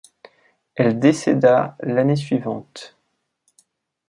Elle décéda l'année suivante.